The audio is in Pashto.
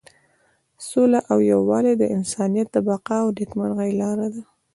سوله او یووالی د انسانیت د بقا او نیکمرغۍ لاره ده.